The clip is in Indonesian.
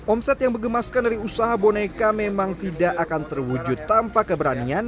omset yang mengemaskan dari usaha boneka memang tidak akan terwujud tanpa keberanian